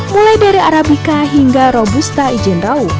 mulai dari arabica hingga robusta izin rawuh